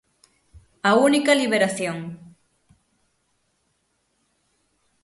A única liberación.